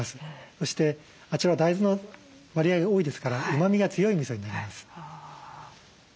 そしてあちらは大豆の割合が多いですからうまみが強いみそになります。